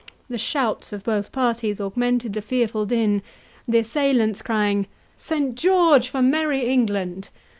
The shouts of both parties augmented the fearful din, the assailants crying, "Saint George for merry England!"